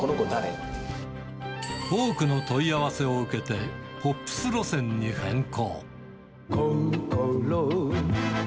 多くの問い合わせを受けて、ポップス路線に変更。